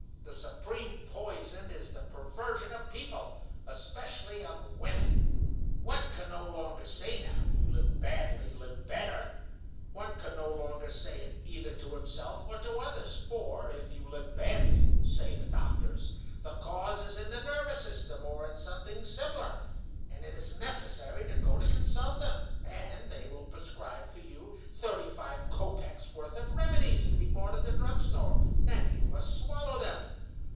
The supreme poison is the perversion of people, especially of women. One can no longer say now: 'You live badly, live better.' One can no longer say it either to himself or to others, for, if you live badly (say the doctors), the cause is in the nervous system or in something similar, and it is necessary to go to consult them, and they will prescribe for you thirty five copecks' worth of remedies to be bought at the drug store, and you must swallow them.